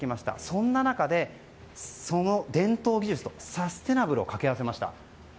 そんな中で、その伝統技術とサステイナブルを掛け合わせました。